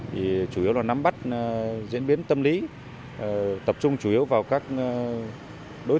đã chủ động nắm bắt tình hình an ninh trật tự và đấu tranh chân áp xử lý các quốc tế